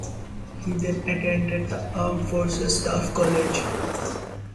He then attended the Armed Forces Staff College.